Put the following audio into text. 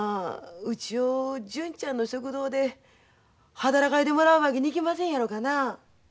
うちを純ちゃんの食堂で働かいてもらうわけにいきませんやろかな。